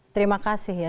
terima kasih ya